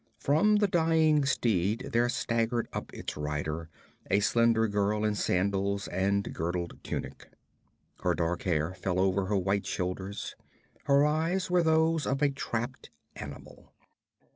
From the dying steed there staggered up its rider, a slender girl in sandals and girdled tunic. Her dark hair fell over her white shoulders, her eyes were those of a trapped animal.